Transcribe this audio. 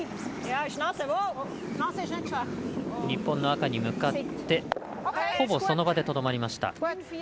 日本の赤に向かってほぼその場でとどまりました。